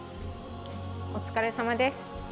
お疲れさまです。